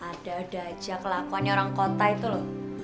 ada ada aja kelakuannya orang kota itu loh